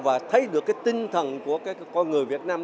và thấy được cái tinh thần của con người việt nam